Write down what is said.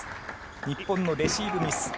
日本のレシーブミス。